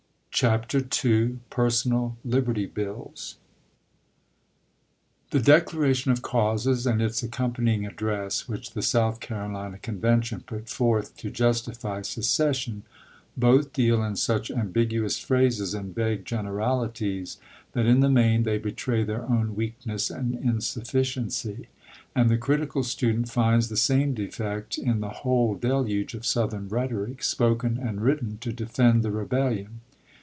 CHAPTER II PERSONAL LIBERTY BILLS T 'HE "Declaration of Causes" and its accom chap. ii. J panying address which the South Carolina Convention put forth to justify secession, both deal in such ambiguous phrases and vague gen eralities that in the main they betray their own weakness and, insufficiency ; and the critical stu dent finds the same defect in the whole deluge of Southern rhetoric, spoken and written to defend the rebellion.